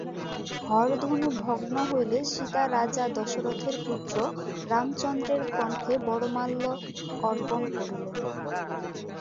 হরধনু ভগ্ন হইলে সীতা রাজা দশরথের পুত্র রামচন্দ্রের কণ্ঠে বরমাল্য অর্পণ করিলেন।